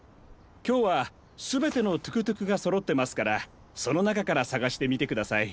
きょうはすべてのトゥクトゥクがそろってますからそのなかからさがしてみてください。